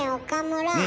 岡村。